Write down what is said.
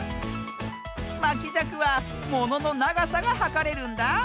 まきじゃくはもののながさがはかれるんだ。